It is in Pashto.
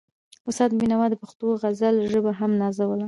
استاد بينوا د پښتو د غزل ژبه هم نازوله.